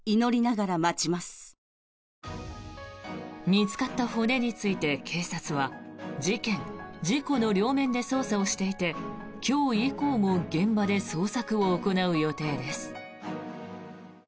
見つかった骨について警察は事件・事故の両面で捜査をしていて今日以降も現場で捜索を行う予定です。